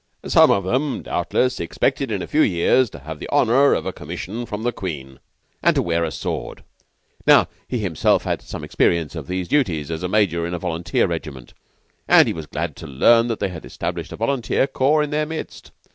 Some of them, doubtless, expected in a few years to have the honor of a commission from the Queen, and to wear a sword. Now, he himself had had some experience of these duties, as a Major in a volunteer regiment, and he was glad to learn that they had established a volunteer corps in their midst.